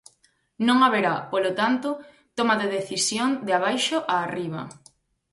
Non haberá, polo tanto, toma de decisión de abaixo a arriba.